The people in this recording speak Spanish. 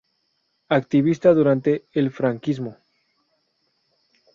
Activista durante el franquismo.